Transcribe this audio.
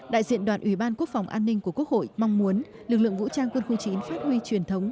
đại diện đoàn ủy ban quốc phòng an ninh của quốc hội mong muốn lực lượng vũ trang quân khu chín phát huy truyền thống